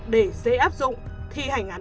để dễ áp dụng thi hành án